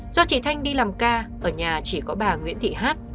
do chị thanh đi làm ca ở nhà chỉ có bà nguyễn thị hát